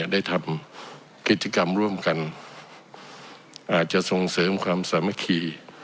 ได้ทำกิจกรรมร่วมกันอาจจะส่งเสริมความสามัคคี